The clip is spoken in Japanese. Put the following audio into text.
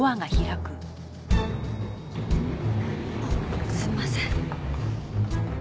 あっすみません。